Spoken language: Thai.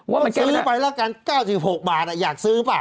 ประวังซื้อไปแล้วกัน๙๖บาทอยากซื้อป่ะ